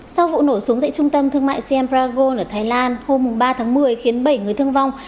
sau vụ nổ súng tại trung tâm thương mại siam bragon ở thái lan hôm ba tháng một mươi khiến bảy người thương vong